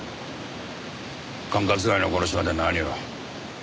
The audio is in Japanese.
管轄外のこの島で何を？